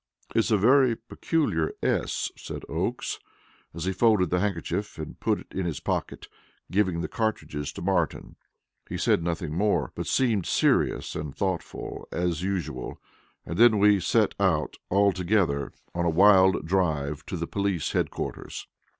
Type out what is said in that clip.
"It is a very peculiar 'S,'" said Oakes, as he folded the handkerchief and put it in his pocket, giving the cartridges to Martin. He said nothing more, but seemed serious and thoughtful, as usual. And then we set out all together on a wild drive to police headquarters.